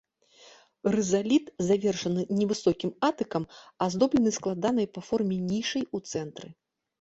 Рызаліт, завершаны невысокім атыкам, аздоблены складанай па форме нішай у цэнтры.